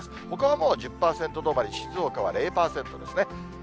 ほかはもう１０％止まり、静岡は０％ですね。